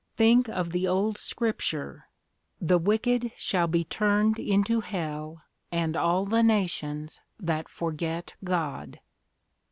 Think of the old Scripture, 'The wicked shall be turned into hell, and all the nations that forget God.'"